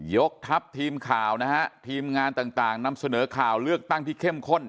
ยกทัพทีมข่าวนะฮะทีมงานต่างนำเสนอข่าวเลือกตั้งที่เข้มข้น